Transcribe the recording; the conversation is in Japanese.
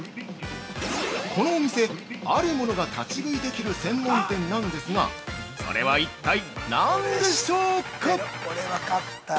このお店、ある物が立ち食いできる専門店なんですが、それは一体、何でしょうか？